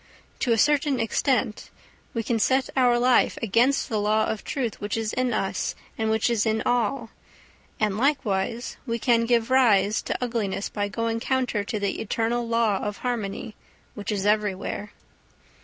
To a certain extent we can set our life against the law of truth which is in us and which is in all, and likewise we can give rise to ugliness by going counter to the eternal law of harmony which is everywhere.